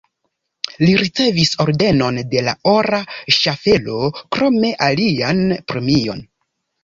Li ricevis Ordenon de la Ora Ŝaffelo, krome alian premion.